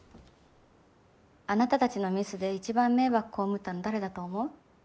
あなたたちのミスで一番迷惑被ったの誰だと思う？